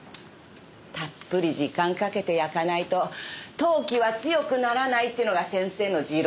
たっぷり時間かけて焼かないと陶器は強くならないっていうのが先生の持論だからね。